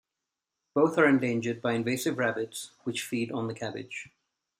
Both are endangered by invasive rabbits which feed on the cabbage.